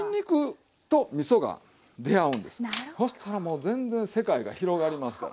そしたらもう全然世界が広がりますから。